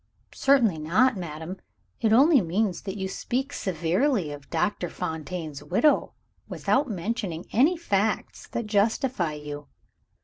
"Certainly not, madam. It only means that you speak severely of Doctor Fontaine's widow without mentioning any facts that justify you."